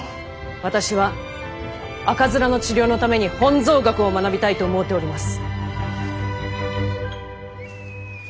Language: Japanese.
私は赤面の治療のために本草学を学びたいと思うております。